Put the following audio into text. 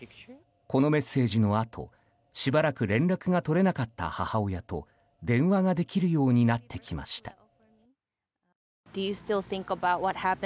このメッセージのあとしばらく連絡が取れなかった母親と電話ができるようになってきました。